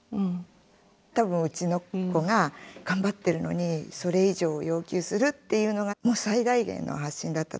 多分うちの子が「頑張ってるのにそれ以上要求する」っていうのがもう最大限の発信だったと思うんですね。